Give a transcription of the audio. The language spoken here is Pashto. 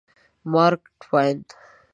مارک ټواین